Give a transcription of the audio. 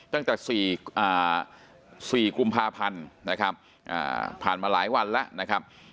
ตั้งแต่๔กุมภาพันธ์นะครับผ่านมาหลายวันแล้วนะครับ